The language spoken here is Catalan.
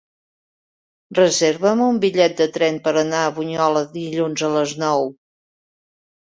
Reserva'm un bitllet de tren per anar a Bunyola dilluns a les nou.